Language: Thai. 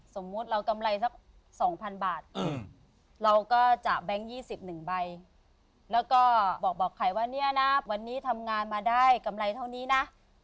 สมมุติเรากำไรสัก๒๐๐๐บาทเราก็จะแบงค์๒๑ใบแล้วก็บอกไข่ว่าเนี่ยนะวันนี้ทำงานมาได้กำไรเท่านี้นะ